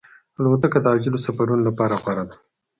الوتکه د عاجلو سفرونو لپاره غوره ده.